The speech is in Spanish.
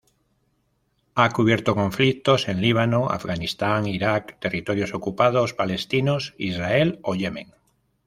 Ha cubierto conflictos en Líbano, Afganistán, Irak, Territorios Ocupados Palestinos, Israel o Yemen.